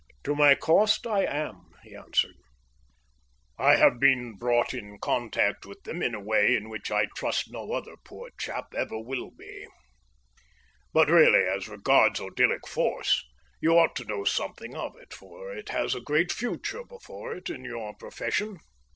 "To my cost, I am," he answered. "I have been brought in contact with them in a way in which I trust no other poor chap ever will be. But, really, as regards odyllic force, you ought to know something of it, for it has a great future before it in your profession.